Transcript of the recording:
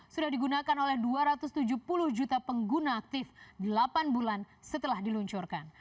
sudah digunakan oleh dua ratus tujuh puluh juta pengguna aktif delapan bulan setelah diluncurkan